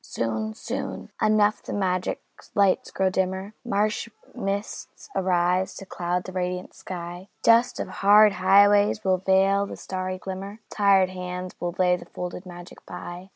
Soon, soon enough the magic lights grow dimmer, Marsh mists arise to cloud the radiant sky, Dust of hard highways will veil the starry glimmer, Tired hands will lay the folded magic by.